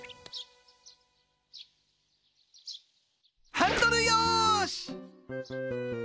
ハンドルよし。